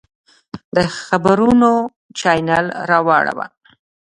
د خبرونو چاینل راواړوه!